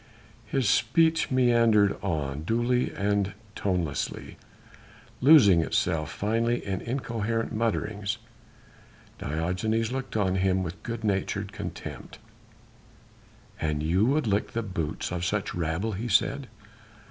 His speech meandered on, dully and tonelessly, losing itself finally in incoherent mutterings. Diogenes looked on him with good natured contempt. "And you would lick the boots of such rabble," he said.